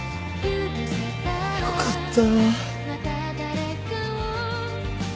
よかった。